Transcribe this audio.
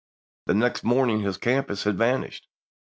The next morning his camps had vanished.